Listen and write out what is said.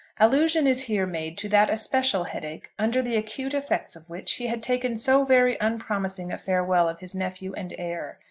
Allusion is here made to that especial headache under the acute effects of which he had taken so very unpromising a farewell of his nephew and heir.